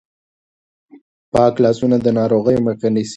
پاک لاسونه د ناروغیو مخه نیسي.